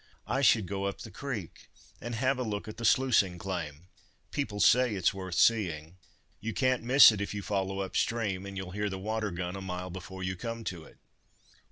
"I should go up the creek, and have a look at the sluicing claim. People say it's worth seeing. You can't miss it if you follow up stream, and you'll hear the 'water gun' a mile before you come to it."